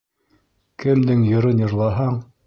Кемдең йырын йырлаһаң